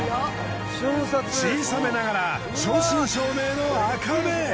小さめながら正真正銘のアカメ。